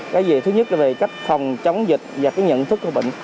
cái gì thứ nhất là về cách phòng chống dịch và cái nhận thức của bệnh